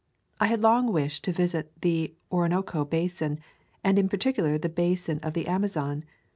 I had long wished to visit the Orinoco basin and in particular the basin of the Amazon.